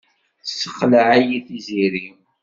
Tessexleɛ-iyi Tiziri.